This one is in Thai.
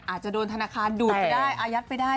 อาจจะโดนธนาคารดูดไปได้อายัดไปได้